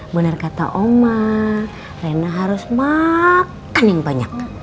benar kata oma rena harus makan yang banyak